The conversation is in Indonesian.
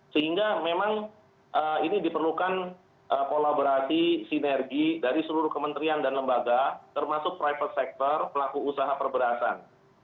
sehingga memang ini diperlukan kolaborasi sinergi dari seluruh kementerian dan lembaga termasuk private sector pelaku usaha perberasan